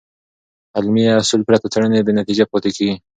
علمي اصول پرته څېړنې بېنتیجه پاتې کېږي.